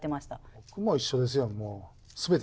僕も一緒ですよ。